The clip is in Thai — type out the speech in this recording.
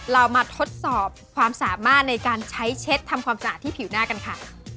เรามาทดสอบความสามารถในการใช้เช็ดทำความสะอาดที่ผิวหน้ากันค่ะ